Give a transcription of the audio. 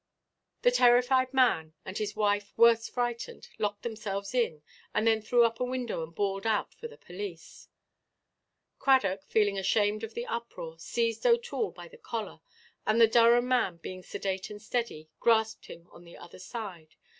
The terrified man, and his wife worse frightened, locked themselves in, and then threw up a window and bawled out for the police. Cradock, feeling ashamed of the uproar, seized OʼToole by the collar; and the Durham man, being sedate and steady, grasped him on the other side.